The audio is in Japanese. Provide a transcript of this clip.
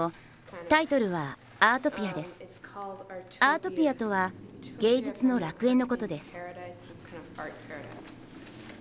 アートピアとは芸術の楽園のことです。